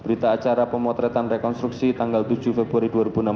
berita acara pemotretan rekonstruksi tanggal tujuh februari dua ribu enam belas